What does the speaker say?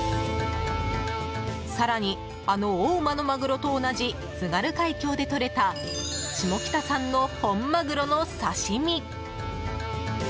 更に、あの大間のマグロと同じ津軽海峡でとれた下北産の本マグロの刺し身。